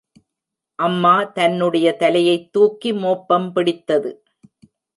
அம்மா தன்னுடைய தலையைத் தூக்கி மோப்பம் பிடித்தது.